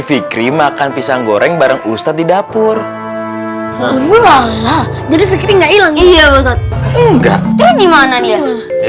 fikri makan pisang goreng bareng ustadz di dapur jadi fikri nggak ilang iya nggak gimana dia ya